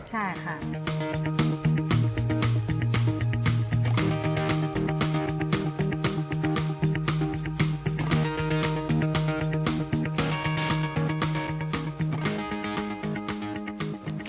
ใช่ค่ะ